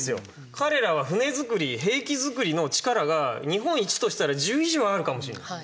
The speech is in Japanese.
彼らは船造り兵器作りの力が日本「１」としたら「１０」以上あるかもしれない。